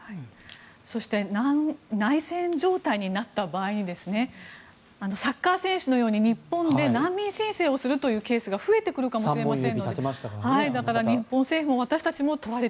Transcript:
そして内戦状態になった場合にサッカー選手のように日本で難民申請をするというケースが増えてくるかもしれません。